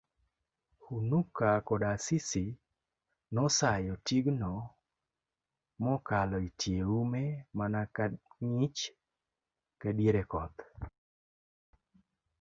Hunuka Koda Asisi nosayo tigno mokaloitie ume mana kangich kadiere koth.